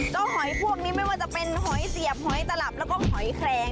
ก็หอยพวกนี้ไม่ว่าจะเป็นหอยเสียบหอยตลับแล้วก็หอยแคลง